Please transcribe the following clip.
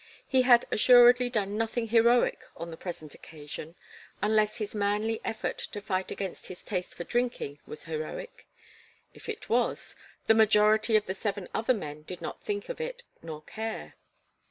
He had assuredly done nothing heroic on the present occasion, unless his manly effort to fight against his taste for drinking was heroic. If it was, the majority of the seven other men did not think of it nor care.